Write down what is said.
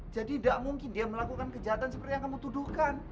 jadi tidak mungkin dia melakukan kejahatan seperti yang kamu tuduhkan